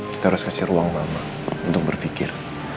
kita harus kasih ruang lama untuk berpikir